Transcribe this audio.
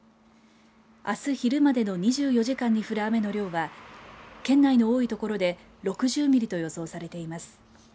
あす昼までの２４時間に降る雨の量は県内の多い所で６０ミリと予想されています。